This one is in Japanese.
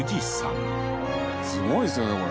すごいですよねこれ。